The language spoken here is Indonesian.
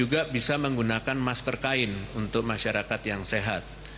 masker bedah adalah masker yang baik untuk masyarakat yang sehat